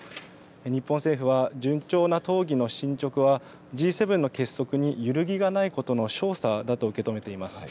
日本政府は順調な討議の進捗は、Ｇ７の結束に揺るぎがないことの証左だと受け止めています。